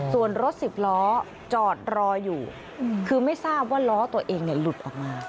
ส่วนรถสิบล้อจอดรออยู่คือไม่ทราบว่าล้อตัวเองหลุดออกมา